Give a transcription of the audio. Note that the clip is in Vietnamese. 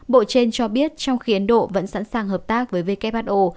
bộ trên cho biết trong khi ấn độ vẫn sẵn sàng hợp tác với who